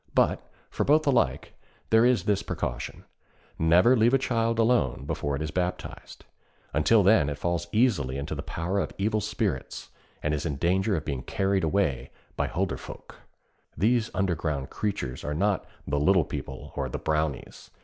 But, for both alike, there is this precaution: never leave a child alone before it is baptized. Until then it falls easily into the power of evil spirits, and is in danger of being carried away by Hulderfolk. These underground creatures are not 'the little people,' or the Brownies.